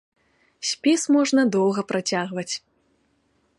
Спіс можна доўга працягваць.